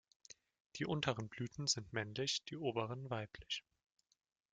Die unteren Blüten sind männlich, die oberen weiblich.